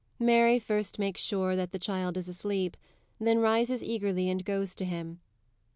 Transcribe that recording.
_ MARY _first makes sure that the child is asleep, then rises eagerly and goes to him.